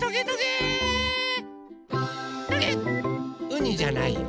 うにじゃないよ。